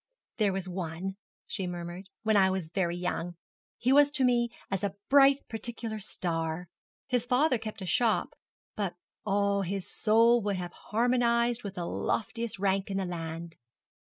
'There was one,' she murmured, 'when I was very young. He was to me as a bright particular star. His father kept a shop, but, oh, his soul would have harmonized with the loftiest rank in the land.